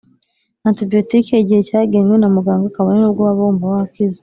antibiyotike igihe cyagenwe na muganga kabone nubwo waba wumva wakize.